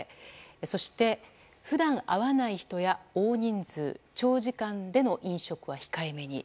そして、普段、会わない人や大人数、長時間での飲食は控えめに。